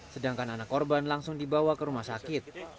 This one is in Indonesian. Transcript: sedangkan anak korban langsung dibawa ke rumah sakit